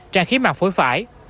trang khí mạng phối phải